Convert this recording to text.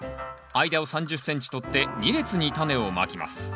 間を３０ｃｍ取って２列にタネをまきます。